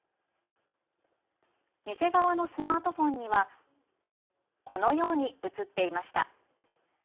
店側のスマートフォンにはこのように映っていました。